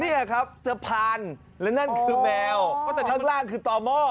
นี่แหละครับสะพานแล้วนั่นคือแมวอ๋อข้างล่างคือต่อหม้อ